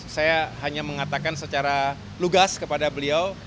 saya hanya mengatakan secara lugas kepada beliau